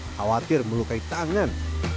khawatir melukai tangan